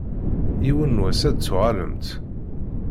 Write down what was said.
Yiwen n wass ad d-tuɣalemt.